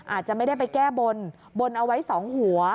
อาจจะไม่ได้ไปแก้บนบนเอาไว้สองหัว